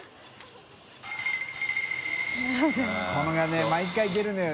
海譴毎回出るのよ